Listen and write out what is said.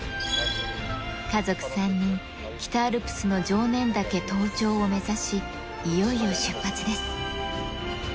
家族３人、北アルプスの常念岳登頂を目指し、いよいよ出発です。